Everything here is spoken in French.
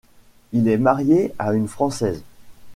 Il est marié à une Française.